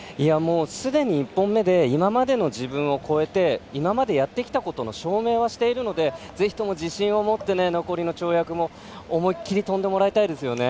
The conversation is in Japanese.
すでに１本目で今までの自分を超えて今までやってきたことの証明はしているのでぜひとも自信を持って残りの跳躍も思いっきり跳んでもらいたいです。